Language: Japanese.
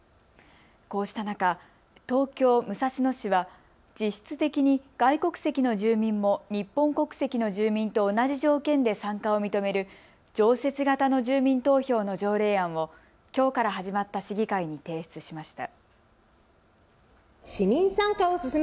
こうした中、東京武蔵野市は実質的に外国籍の住民も日本国籍の住民と同じ条件で参加を認める常設型の住民投票の条例案をきょうから始まった市議会に提出しました。